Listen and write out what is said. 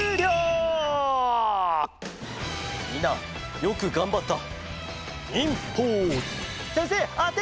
みんなよくがんばった！